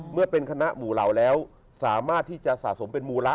เมื่อเป็นคณะหมู่เหล่าแล้วสามารถที่จะสะสมเป็นมูระ